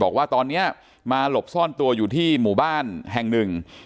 บอกว่าตอนนี้มาหลบซ่อนตัวอยู่ที่หมู่บ้านแห่งหนึ่ง